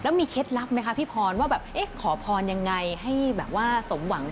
แล้วมีเคล็ดลับไหมคะพี่พรว่าขอพรอย่างไรให้สมหวัง